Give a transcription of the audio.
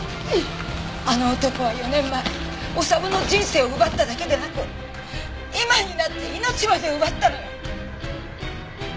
あの男は４年前修の人生を奪っただけでなく今になって命まで奪ったのよ！